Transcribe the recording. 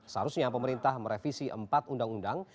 seharusnya pemerintah merevisi empat undang undang